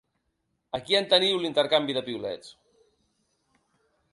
Aquí en teniu l’intercanvi de piulets.